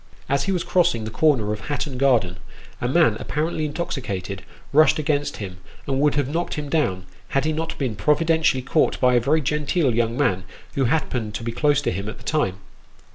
As he was crossing the corner of Hatton Garden, a man apparently intoxicated, rushed against him, and would have knocked him down, had he not been provi dentially caught by a very genteel young man, who happened to be close to him at the time.